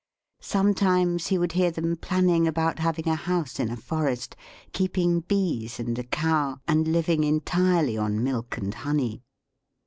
Sometimes he would hear them planning about having a house in a forest, keeping bees and a cow, and living entirely on milk and honey.